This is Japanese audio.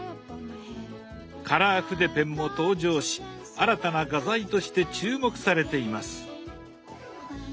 カラー筆ペンも登場し新たな画材として注目されています。